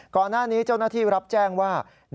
ก่อนหน้านี้เจ้าหน้าที่รับแจ้งว่า